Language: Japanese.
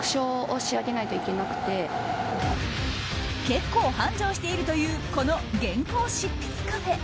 結構、繁盛しているというこの原稿執筆カフェ。